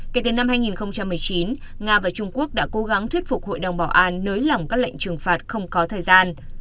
kể từ năm hai nghìn một mươi chín nga và trung quốc đã cố gắng thuyết phục hội đồng bảo an nới lỏng các lệnh trừng phạt không có thời gian